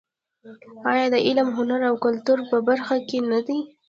آیا د علم، هنر او کلتور په برخه کې نه دی؟